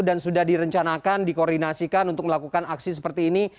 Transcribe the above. dan sudah direncanakan dikoordinasikan untuk melakukan aksi seperti ini